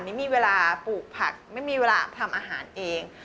นี่มีเวลาปลูกผักไม่มีเวลาทำอาหารเอง